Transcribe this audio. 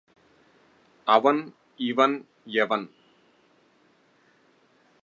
அவன் இவன் எவன்